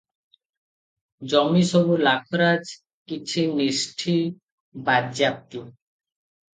ଜମିସବୁ ଲାଖରାଜ, କିଛି ନିଷ୍ଠୀ ବାଜ୍ୟାପ୍ତି ।